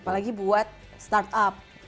apalagi buat startup